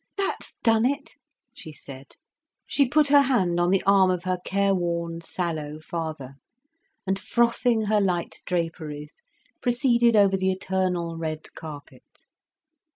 "That's done it!" she said. She put her hand on the arm of her care worn, sallow father, and frothing her light draperies, proceeded over the eternal red carpet.